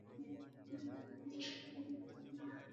Buddha makosa yote yanatokana na kutokuwa makini Hivyo kwa